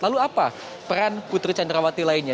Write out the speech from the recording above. lalu apa peran putri candrawati lainnya